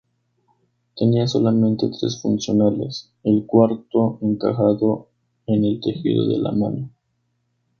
Tenía solamente tres funcionales, el cuarto encajado en el tejido de la mano.